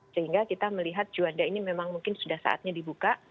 sehingga kita melihat juanda ini memang mungkin sudah saatnya dibuka